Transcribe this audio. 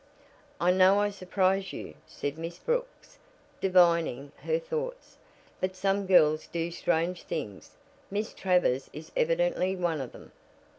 "I know I surprise you," said Miss Brooks, divining her thoughts, "but some girls do strange things. Miss Travers is evidently one of them."